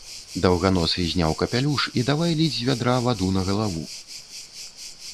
Даўганосы зняў капялюш і давай ліць з вядра ваду на галаву.